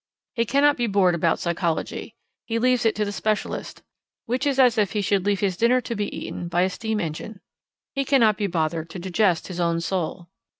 He cannot be bored about psychology. He leaves it to the specialist, which is as if he should leave his dinner to be eaten by a steam engine. He cannot be bothered to digest his own soul.